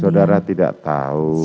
saudara tidak tahu